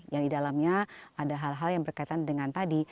yang di dalamnya ada hal hal yang berkaitan dengan tadi